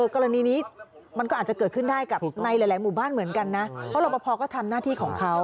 กรณีนี้มันก็อาจจะเกิดขึ้นได้กับในหลายหมู่บ้านเหมือนกันนะเพราะรอปภก็ทำหน้าที่ของเขา